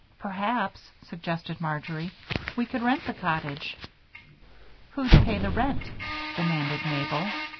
"Perhaps," suggested Marjory, "we could rent the cottage." "Who'd pay the rent?" demanded Mabel.